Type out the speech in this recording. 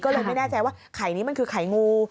ก็เลยไม่แน่ใจว่าไข่นี้มันคือไข่งู